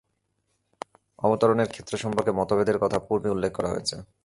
অবতরণের ক্ষেত্র সম্পর্কে মতভেদের কথা পূর্বেই উল্লেখ করা হয়েছে।